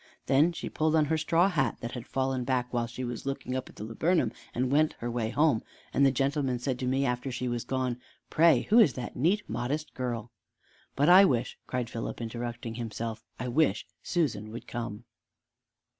Then she pulled on her straw hat that had fallen back while she was looking up at the laburnum, and went her way home, and the gentleman said to me after she was gone, 'Pray, who is that neat, modest girl?' But I wish," cried Philip, interrupting himself, "I wish Susan would come!"